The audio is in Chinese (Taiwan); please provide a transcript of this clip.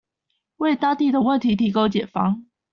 為當地的問題提供解方